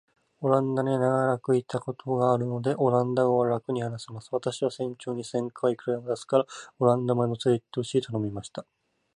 オランダに長らくいたことがあるので、オランダ語はらくに話せます。私は船長に、船賃はいくらでも出すから、オランダまで乗せて行ってほしいと頼みました。